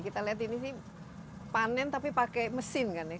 kita lihat ini sih panen tapi pakai mesin kan ya